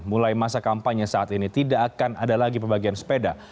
mulai masa kampanye saat ini tidak akan ada lagi pembagian sepeda